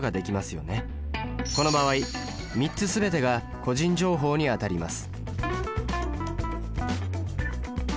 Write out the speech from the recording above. この場合３つ全てが個人情報にあたります。